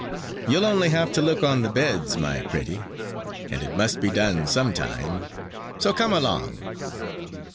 You'll only have to look on the beds, my pretty, and it must be done some time. So come along!"